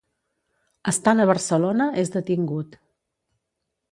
Estant a Barcelona és detingut.